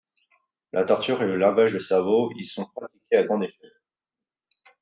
La torture et le lavage de cerveaux y sont pratiqués à grande échelle.